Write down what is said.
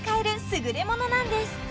すぐれものなんです